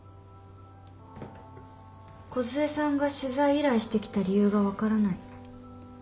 梢さんが取材依頼してきた理由が分からない。